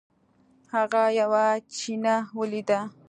هغه یوه چینه ولیده.